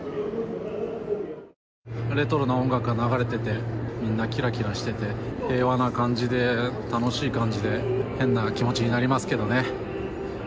レトロな音楽が流れてて、みんな、きらきらしてて、平和な感じで楽しい感じで、変な気持ちになりますけどね。